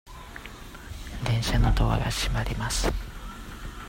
電車のドアが閉まります。